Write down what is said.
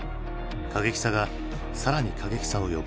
過激さが更に過激さを呼ぶ。